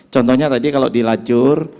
contohnya tadi kalau dilacur